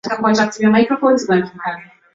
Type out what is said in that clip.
Uniongeze siku zote.